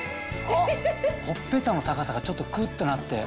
ほっぺたの高さがちょっとクッとなって。